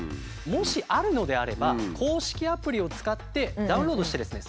もしあるのであれば公式アプリを使ってダウンロードしてですね